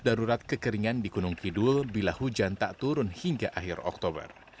darurat kekeringan di gunung kidul bila hujan tak turun hingga akhir oktober